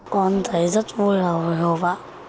con thấy rất vui và hồi hộp ạ